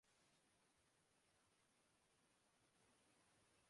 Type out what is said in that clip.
اس لیے اُسے کام سے نکالنا پڑا ہے